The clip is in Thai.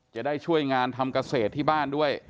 จะได้ช่วยงานทำเกษตรที่บ้านด้วย